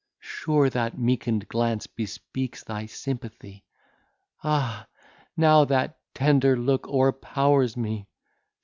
Sure that meekened glance bespeaks thy sympathy! Ah! how that tender look o'erpowers me!